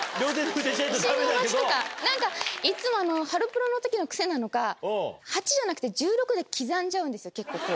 信号待ちとかなんか、いっつもハロプロのときの癖なのか、８じゃなくて１６で刻んじゃうんですよ、結構。